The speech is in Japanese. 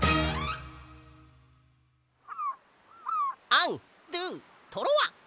アンドゥトロワ！